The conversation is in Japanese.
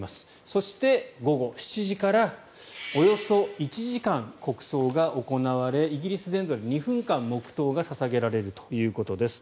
そして、午後７時からおよそ１時間、国葬が行われイギリス全土で２分間、黙祷が捧げられるということです。